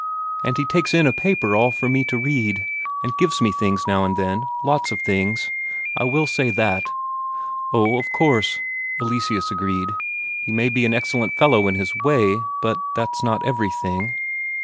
And he takes in a paper all for me to read, and gives me things now and again lots of things. I will say that" "Oh, of course," Eleseus agreed. "He may be an excellent fellow in his way, but that's not everything...."